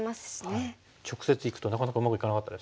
直接いくとなかなかうまくいかなかったですね。